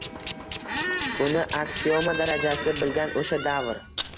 Buni aksioma darajasida bilgan oʻsha davr